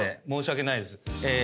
申し訳ないです。